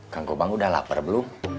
kang kubang udah lapar belum